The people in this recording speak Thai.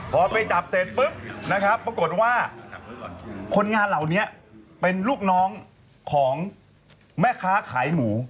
พอไปจับเสร็จปุ๊บนะครับปรากฏว่าคนงานเหล่านี้เป็นลูกน้องของแม่ค้าขายหมู